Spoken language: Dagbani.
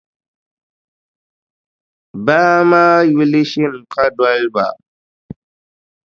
Baa maa yuli “Shinkadoliba.”.